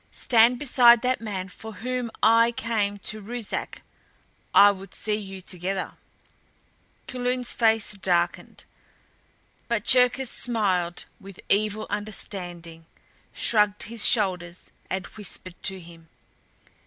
Stand beside that man for whom I came to Ruszark. I would see you together!" Kulun's face darkened. But Cherkis smiled with evil understanding, shrugged his shoulders and whispered to him.